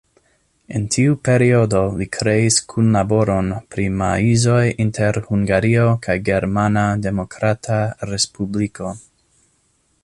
En tiu periodo li kreis kunlaboron pri maizoj inter Hungario kaj Germana Demokrata Respubliko.